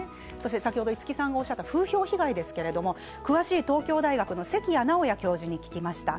先ほど五木さんがおっしゃった風評被害ですけれど詳しい東京大学の関谷直也教授に聞きました。